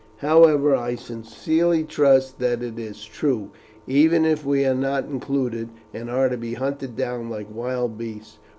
However, I sincerely trust that it is true, even if we are not included, and are to be hunted down like wild beasts.